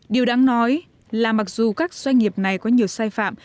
điều đáng nói là mặc dù các doanh nghiệp này có nhiều sai phạm